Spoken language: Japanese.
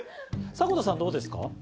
迫田さんどうですか？